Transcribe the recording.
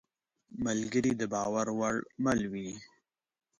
ملګری د باور وړ مل وي.